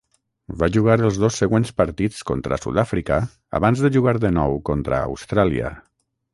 Va jugar els dos següents partits contra Sud-àfrica abans de jugar de nou contra Austràlia.